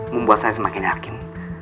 membuat saya semakin yakin